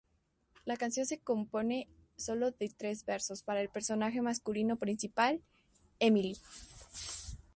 La canción se compone solo de tres versos para el personaje masculino principal, Emile.